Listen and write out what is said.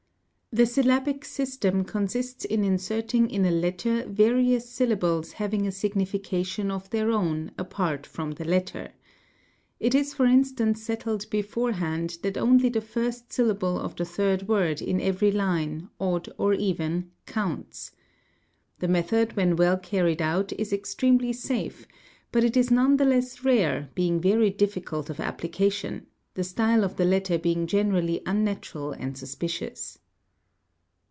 The syllabic system consists in inserting in a letter various syllables having a signification of their own apart frorn the letter. It is for'instance settled beforehand that only the first syllable of the third word in every line, odd or even, counts. The method when well carried out is extremely safe, but it is none the less rare, being very difficult of application; the style of the letter being generally unnatural and suspicious.